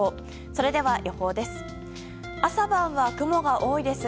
それでは予報です。